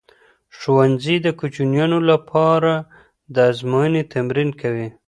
ښوونځی د کوچنیانو لپاره د ازمويني تمرین کوي.